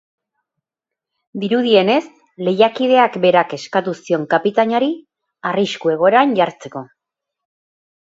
Dirudienez, lehiakideak berak eskatu zion kapitainari arrisku egoeran jartzeko.